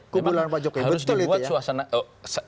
kubu lampang jokowi betul itu ya